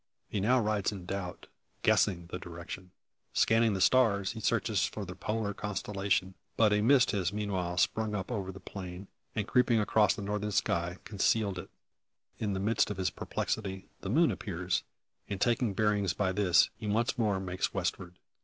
He now rides in doubt, guessing the direction. Scanning the stars he searches for the Polar constellation. But a mist has meanwhile sprung up over the plain, and, creeping across the northern sky, concealed it. In the midst of his perplexity, the moon appears; and taking bearings by this, he once more makes westward.